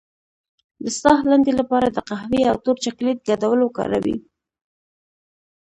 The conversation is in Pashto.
د ساه لنډۍ لپاره د قهوې او تور چاکلیټ ګډول وکاروئ